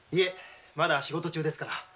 まだ仕事中ですから。